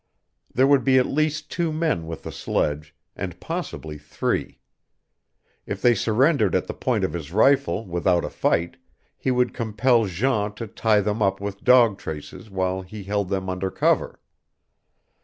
There would be at least two men with the sledge, and possibly three. If they surrendered at the point of his rifle without a fight he would compel Jean to tie them up with dog traces while he held them under cover.